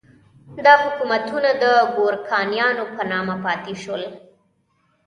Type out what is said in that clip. دا حکومتونه د ګورکانیانو په نامه پاتې شول.